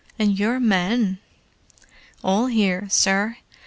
"And your men?" "All here, sir.